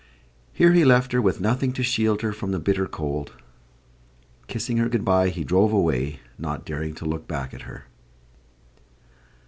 Here he left her, with nothing to shield her from the bitter cold. Kissing her good by, he drove away, not daring to look back at Her.